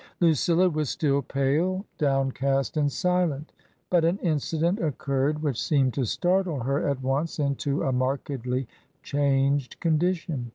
Lucilla was still pale, downcast, and silent, but an incident occurred which seemed to startle her at once into a markedly changed condition.